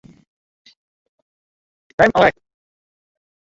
Eagle music Kochi Ahmed প্রতিষ্ঠা করেন।